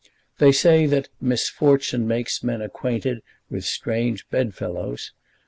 They say that "misfortune makes men acquainted with strange bedfellows."